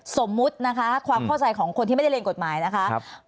สมมุตินะคะความเข้าใจของคนที่ไม่ได้เรียนกฎหมายนะคะ